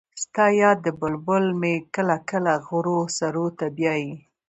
ستا یاد بلبل مې کله کله غرو سرو ته بیايي